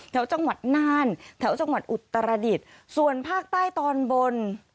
แถวจังหวัดน่านแถวจังหวัดอุตรดิษฐ์ส่วนภาคใต้ตอนบน